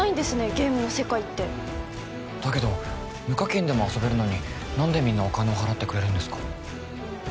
ゲームの世界ってだけど無課金でも遊べるのに何でみんなお金を払ってくれるんですか？